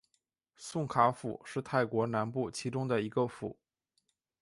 宋卡府是泰国南部其中的一个府。